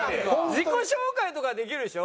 自己紹介とかはできるでしょ？